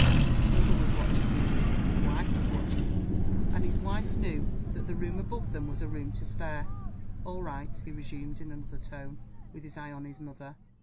His mother was watching him; his wife was watching him and his wife knew that the room above them was a room to spare. "All right!" he resumed, in another tone, with his eye on his mother.